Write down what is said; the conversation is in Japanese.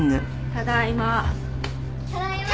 ただいま！？